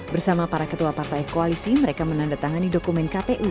bersama para ketua partai koalisi mereka menandatangani dokumen kpu